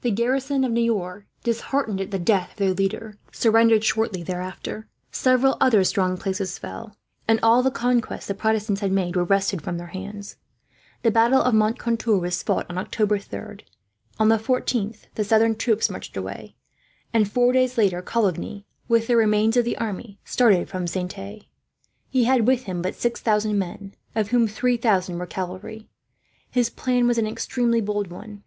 The garrison of Niort, disheartened at the death of their leader, surrendered shortly after. Several other strong places fell, and all the conquests the Protestants had made were wrested from their hands. The battle of Moncontour was fought on October 3rd. On the 14th the southern troops marched away, and four days later Coligny, with the remains of the army, started from Saintes. He had with him but six thousand men, of whom three thousand were cavalry. His plan was an extremely bold one.